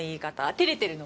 照れてるの？